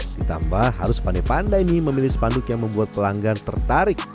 ditambah harus pandai pandai nih memilih spanduk yang membuat pelanggan tertarik